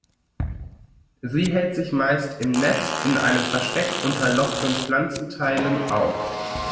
Sie hält sich meist im Netz in einem Versteck unter lockeren Pflanzenteilen auf.